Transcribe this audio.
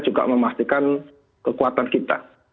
juga memastikan kekuatan kita